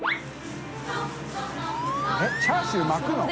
┐チャーシュー巻くの？